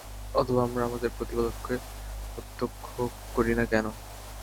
অথবা আমরা আমাদের প্রতিপালককে প্রত্যক্ষ করি না কেন?